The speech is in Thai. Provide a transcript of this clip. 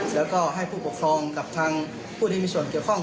แล้วก็ให้ผู้ปกครองกับทางผู้ที่มีส่วนเกี่ยวข้อง